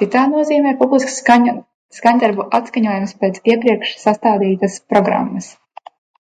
Citā nozīmē publisks skaņdarbu atskaņojums pēc iepriekš sastādītas programmas.